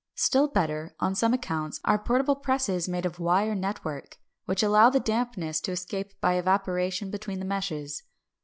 Still better, on some accounts, are portable presses made of wire network, which allow the dampness to escape by evaporation between the meshes.